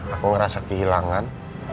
aku ngerasa kehilangan